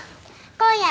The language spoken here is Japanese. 今夜。